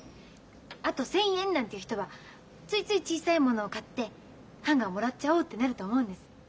あと１，０００円なんていう人はついつい小さいものを買ってハンガーをもらっちゃおうってなると思うんです。